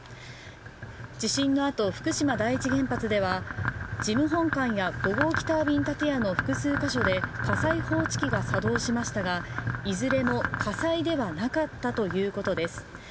地震のあと、福島第一原発では事務本館や５号機タービン建屋の複数個所で火災報知器が作動しましたがいずれも火災ではなかったということです。